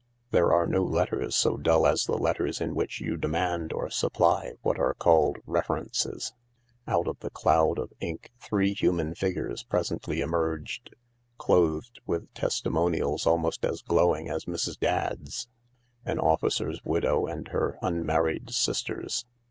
There are no letters so dull as the letters in which you demand or supply what are called " references." Out of the cloud of ink three human figures presently emerged, clothed with testimonials almost as glowing as Mrs. Dadd's — an officer's widow and her unmarried sisters.